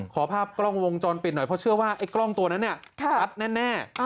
ขอภาพกล้องวงจรปิดหน่อยเพราะเชื่อว่าไอ้กล้องตัวนั้นเนี่ยชัดแน่